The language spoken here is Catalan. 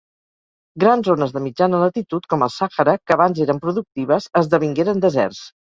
Grans zones de mitjana latitud com el Sàhara que abans eren productives esdevingueren deserts.